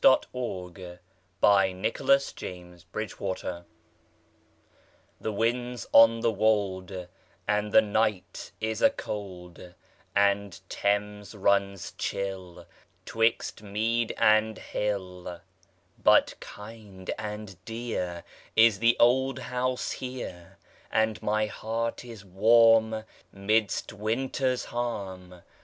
William Morris Inscription for an Old Bed THE wind's on the wold And the night is a cold, And Thames runs chill 'Twixt mead and hill. But kind and dear Is the old house here And my heart is warm Midst winter's harm.